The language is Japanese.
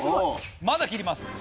まだ切ります。